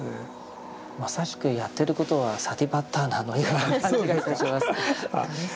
まさしくやってることはサティパッターナのような感じがいたします。